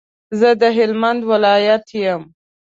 زه د هلمند ولایت یم.